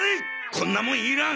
こんなもんいらん！